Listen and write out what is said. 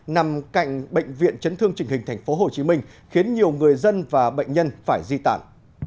nằm cạnh bệnh viện chấn thương trình hình tp hcm khiến nhiều người dân và bệnh nhân phải di tản